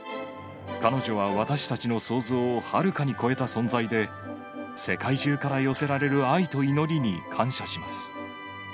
彼女は私たちの想像をはるかに超えた存在で、世界中から寄せられる愛と祈りに感謝します。